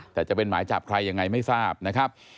แต่จะเป็นหมายจับใครยังไงไม่ทราบนะครับ